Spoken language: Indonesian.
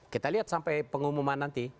kita lihat sampai pengumuman nanti